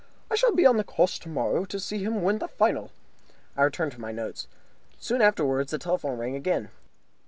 I shall be on the course tomorrow to see him win the final." I returned to my notes. Soon afterwards the telephone rang again.